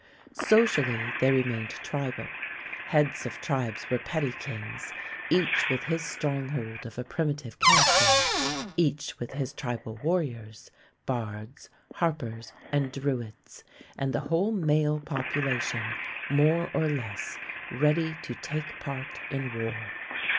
Socially they remained tribal. Heads of tribes were petty kings, each with his stronghold of a primitive character, each with his tribal warriors, bards, harpers, and druids, and the whole male population more or less ready to take part in war.